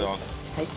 はい。